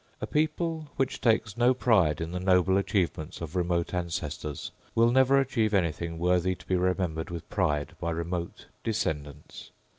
A people which takes no pride in the noble achievements of remote ancestors will never achieve any thing worthy to be remembered with pride by remote descendants.